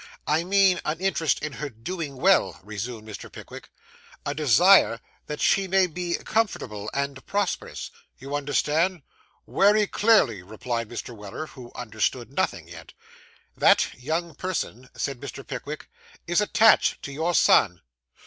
'I mean an interest in her doing well,' resumed Mr. Pickwick; 'a desire that she may be comfortable and prosperous. You understand?' 'Wery clearly,' replied Mr. Weller, who understood nothing yet. 'That young person,' said Mr. Pickwick, 'is attached to your son.